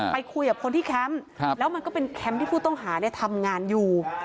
ไปคุยกับคนที่แคมป์แล้วมันก็เป็นแคมป์ที่ผู้ต้องหาทำงานอยู่